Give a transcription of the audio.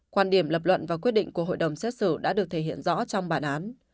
quan điểm lập luận và quyết định của hội đồng xét xử đã được thể hiện rõ trong bản án